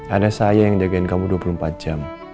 anak saya yang jagain kamu dua puluh empat jam